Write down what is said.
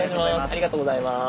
ありがとうございます。